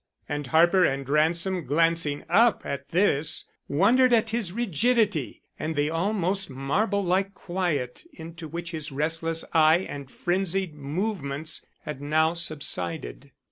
And Harper and Ransom, glancing up at this, wondered at his rigidity and the almost marble like quiet into which his restless eye and frenzied movements had now subsided.